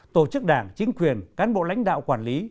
tổ chức đảng chính quyền cán bộ lãnh đạo quản lý